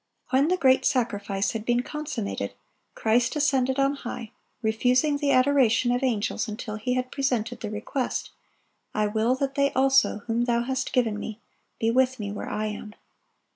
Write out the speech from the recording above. When the great sacrifice had been consummated, Christ ascended on high, refusing the adoration of angels until He had presented the request, "I will that they also, whom Thou hast given Me, be with Me where I am."